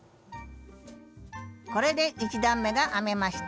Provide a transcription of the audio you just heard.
これで１段めが編めました。